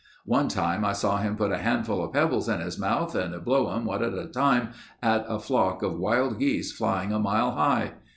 One time I saw him put a handful of pebbles in his mouth and blow 'em one at a time at a flock of wild geese flying a mile high.